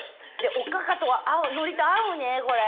おかかとは合うのりと合うねこれ。